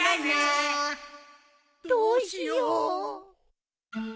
どうしよう。